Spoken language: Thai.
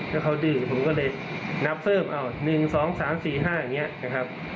แล้วเขาดื้อผมก็เลยนับเพิ่ม๑๒๓๔๕อย่างนี้นะครับ